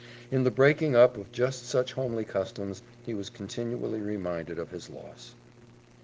In the breaking up of just such homely customs, he was continually reminded of his loss.